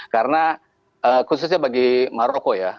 karena khususnya bagi maroko ya